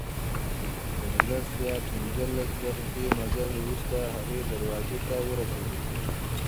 تر لس یا پنځلس دقیقې مزل وروسته هغې دروازې ته ورسېدو.